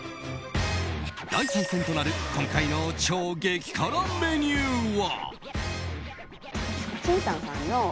第３戦となる今回の超激辛メニューとは。